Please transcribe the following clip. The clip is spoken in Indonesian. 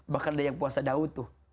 bahkan ada yang puasa daud tuh